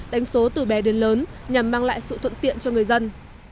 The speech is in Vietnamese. đánh số từ bè đến lớn nhằm mang lại sự thuận tiện cho người dân